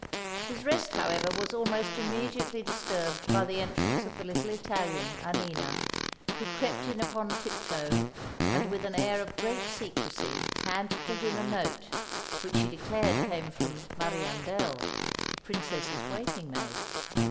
His rest, however, was almost immediately disturbed by the entrance of the little Italian, Annina, who crept in upon tip toe and with an air of great secrecy handed to him a note, which she declared came from "Mariandel," the Princess's "waiting maid."